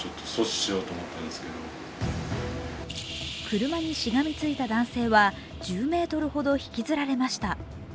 車にしがみついた男性は１０ｍほど引きずられました。